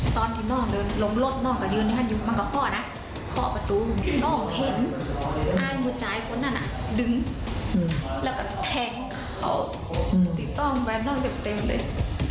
ตอนที่น่องเดินลงรถน่องก็ยืนอยู่บ้างกับข้อนะข้อประตูน่องเห็นอ้ายมือจ่ายคนนั่นน่ะดึงแล้วก็แทงเขาติดต้องไปน่องเต็มเต็มเลย